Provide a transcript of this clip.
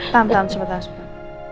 tahan tahan sebentar sebentar